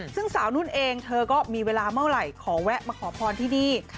ซึ่งสาวนุ่นเองเธอก็มีเวลาเมื่อไหร่ขอแวะมาขอพรที่นี่